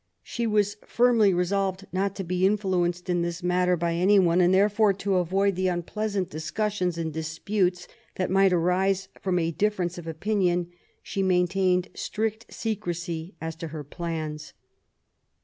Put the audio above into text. She was firmly resolved not to be influenced in this matter by anyone; and therefore, to avoid the un pleasant discussions and disputes that might arise from a difference of opinion, she maintained strict secrecy as to her plans.